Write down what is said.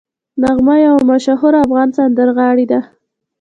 نغمه یوه مشهوره افغان سندرغاړې ده